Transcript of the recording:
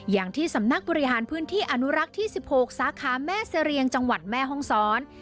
อย่างที่สำนักบริหารพื้นที่อนุรักษ์ที่๑๖สาขาแม่เสรียงจังหวัดแม่ห้องซ้อน